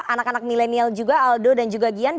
anak anak milenial juga aldo dan juga gian